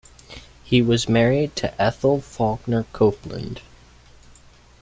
He was married to Ethel Faulkner Copeland.